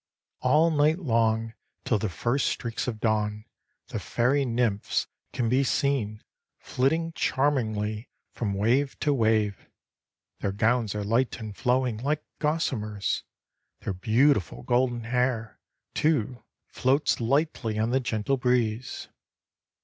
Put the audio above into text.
All night long, till the first streaks of dawn, the fairy nymphs can be seen, flitting charmingly from wave to wave. Their gowns are light and flowing like gossamers. Their beautiful golden hair, too, floats lightly on the gentle breeze.